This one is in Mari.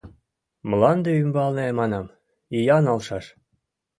Мланде ӱмбалне, манам, ия налшаш!